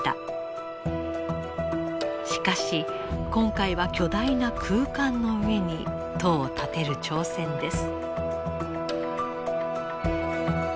しかし今回は巨大な空間の上に塔を建てる挑戦です。